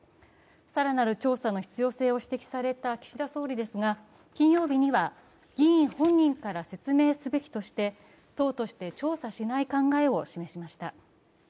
更なる調査の必要性を指摘された岸田総理ですが金曜日には、議員本人から説明すべきとして、党として調査しない考えを示しました。